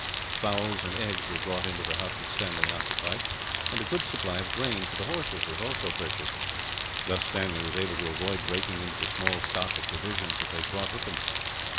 Fowls and eggs were brought into the hut that Stanley occupied, and a good supply of grain for the horses was also purchased. Thus, Stanley was able to avoid breaking into the small stock of provisions they had brought with them.